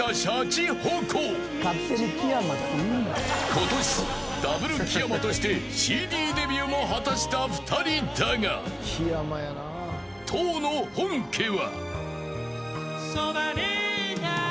［今年ダブル木山としてＣＤデビューも果たした２人だが当の本家は］